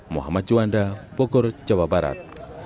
muhammad juanda bogor jawa barat